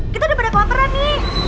kita udah pada kelam peran nih